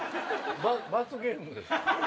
罰ゲームです。